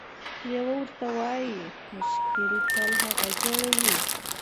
لیوه ورته وايي: مشکل تل هغه جوړوي،